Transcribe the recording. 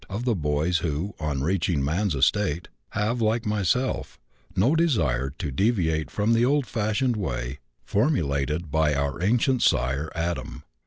of the boys who, on reaching man's estate, have, like myself, no desire to deviate from the old fashioned way formulated by our ancient sire, Adam."